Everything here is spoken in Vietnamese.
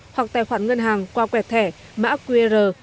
hoặc tài khoản ngân hàng qua quẹt thẻ mã qr